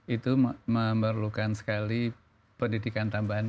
itu memerlukan sekali pendidikan tambahan